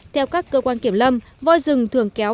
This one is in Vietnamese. theo các cơ quan kiểm lâm voi rừng thường kéo